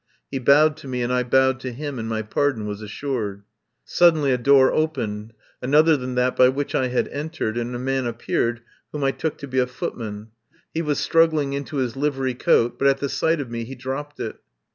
He bowed to me and I bowed to him, and my pardon was assured. Suddenly a door opened, another than that by which I had entered, and a man appeared whom I took to be a footman. He was strug gling into his livery coat, but at the sight of me he dropped it.